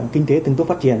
kinh tế từng tốt phát triển